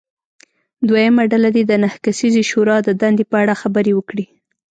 دویمه ډله دې د نهه کسیزې شورا د دندې په اړه خبرې وکړي.